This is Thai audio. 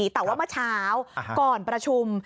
แต่ว่าเมื่อเช้าก่อนประชุม